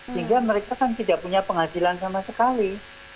sehingga mereka kan tidak punya penghasilan sama sekali